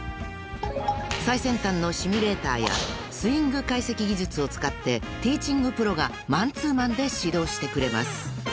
［最先端のシミュレーターやスイング解析技術を使ってティーチングプロがマンツーマンで指導してくれます］